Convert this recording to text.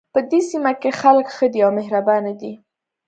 په دې سیمه کې خلک ښه دي او مهربانه دي